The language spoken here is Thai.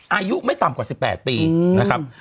อายุไม่ต่ำกว่า๑๘ปีนะครับ